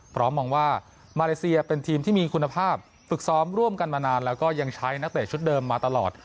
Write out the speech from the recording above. มองว่ามาเลเซียเป็นทีมที่มีคุณภาพฝึกซ้อมร่วมกันมานานแล้วก็ยังใช้นักเตะชุดเดิมมาตลอด